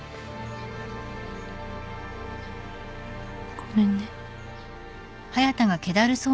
ごめんね。